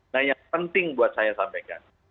nah yang penting buat saya sampaikan